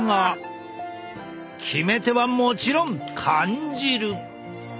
決め手はもちろん缶汁！